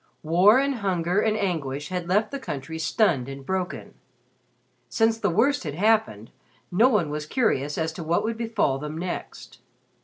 War and hunger and anguish had left the country stunned and broken. Since the worst had happened, no one was curious as to what would befall them next.